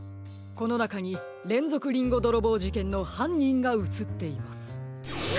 このなかにれんぞくリンゴどろぼうじけんのはんにんがうつっています。